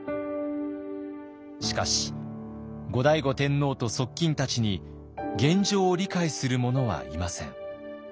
しかし後醍醐天皇と側近たちに現状を理解する者はいません。